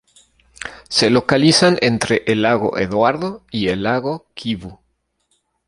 Se localizan entre el lago Eduardo y el lago Kivu.